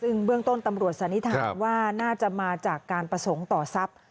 ซึ่งเบื้องต้นตำรวจสันนิษฐานว่าน่าจะมาจากการประสงค์ต่อทรัพย์